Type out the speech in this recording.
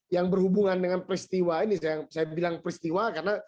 yang berhubungan dengan peristiwa ini saya bilang peristiwa karena